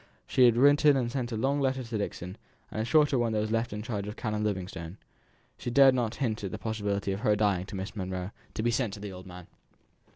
She had written and sent a long letter to Dixon; and a shorter one was left in charge of Canon Livingstone (she dared not hint at the possibility of her dying to Miss Monro) to be sent to the old man.